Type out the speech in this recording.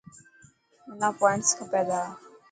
منا پووانٽس کپي تا.